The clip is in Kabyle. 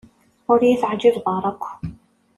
Ur iyi-teɛǧibeḍ ara akk.